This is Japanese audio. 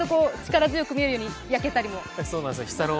ちゃんと力強く見えるように焼けたりも？